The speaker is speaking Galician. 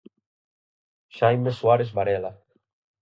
Jaime Suárez Varela.